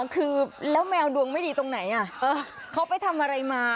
คือแล้วแมวดวงไม่ดีตรงไหนเขาไปทำอะไรมา